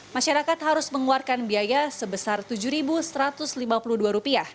masyarakat harus mengeluarkan biaya sebesar rp tujuh satu ratus lima puluh dua